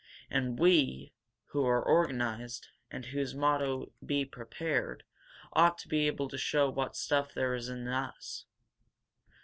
And we, who are organized, and whose motto Be Prepared, ought to be able to show what stuff there is in us.